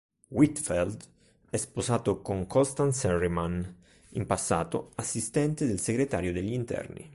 Whitfield è sposato con Constance Harriman, in passato assistente del Segretario degli Interni.